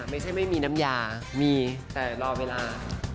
ไม่มีน้ำยามีแต่รอเวลา